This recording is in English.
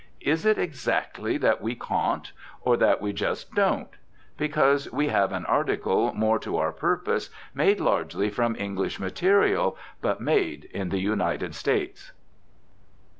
Is it exactly that we caun't? Or that we just don't? Because we have an article more to our purpose, made largely from English material, but made in the United States?